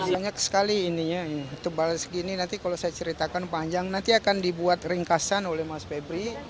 banyak sekali ini tebal segini nanti kalau saya ceritakan panjang nanti akan dibuat ringkasan oleh mas febri